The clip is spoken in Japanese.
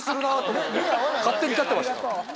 勝手に立ってました。